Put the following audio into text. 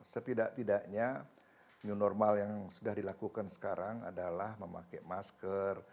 setidak tidaknya new normal yang sudah dilakukan sekarang adalah memakai masker